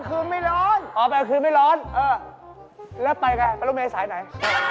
เออแล้วไปไหนรถเมย์สายไหน